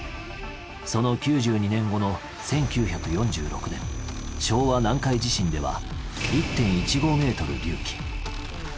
その９２年後の１９４６年昭和南海地震では１．１５ｍ隆起。